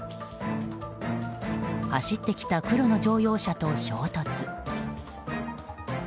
走ってきた黒の乗用車と衝突。